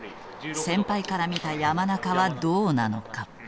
先輩から見た山仲はどうなのか。